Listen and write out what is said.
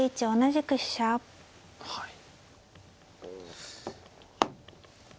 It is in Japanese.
はい。